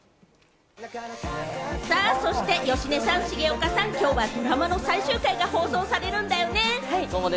そして芳根さん、重岡さん、今日はドラマの最終回が放送されるんだよね。